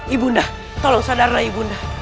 ibunda tolong sadarlah ibunda